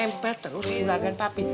tempel terus juragan papi